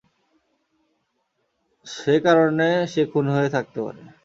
সে কারণে সে খুন হয়ে থাকতে পারে।